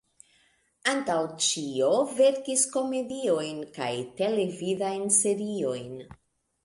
Antaŭ ĉio verkis komediojn kaj televidajn seriojn.